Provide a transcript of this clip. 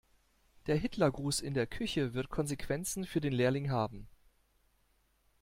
Der Hitlergruß in der Küche wird Konsequenzen für den Lehrling haben.